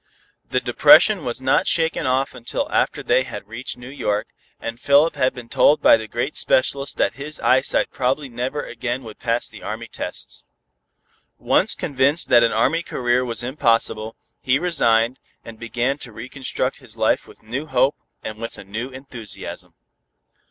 The depression was not shaken off until after they had reached New York, and Philip had been told by the great specialist that his eyesight probably never again would pass the Army tests. Once convinced that an Army career was impossible, he resigned, and began to reconstruct his life with new hope and with a new enthusiasm.